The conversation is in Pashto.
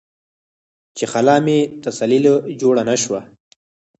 چې خله مې تسلۍ له جوړه نۀ شوه ـ